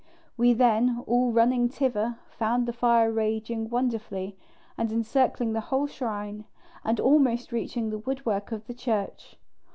We then, all running thither, found the fire raging wonderfully, and encircling the whole shrine, and almost reaching the woodwork of the church.